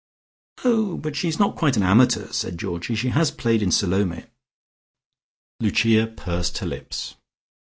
"Oh, but she is not quite an amateur," said Georgie. "She has played in Salome." Lucia pursed her lips.